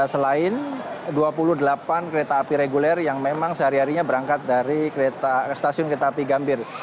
selain dua puluh delapan kereta api reguler yang memang sehari harinya berangkat dari stasiun kereta api gambir